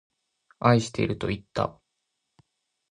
愛してるといった。